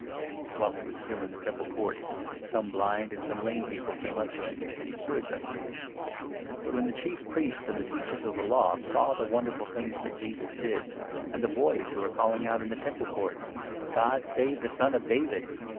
'' While he was still in the Temple Courts, some blind and some 14 lame people came up to him, and he cured them. But, 15 when the Chief Priests and the Teachers of the Law saw the wonderful things that Jesus did, and the boys who were calling out in the Temple Courts " God save the Son of David